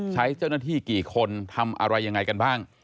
ใช้เจ้าหน้าที่กี่คนทำอะไรยังไงกันบ้าง